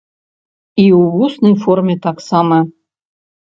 І ў вуснай форме таксама.